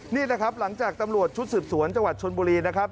นี่แหละครับหลังจากตำรวจชุดสืบสวนจังหวัดชนบุรีนะครับ